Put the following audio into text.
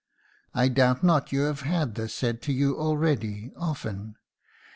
I doubt not you have had this said to you already often.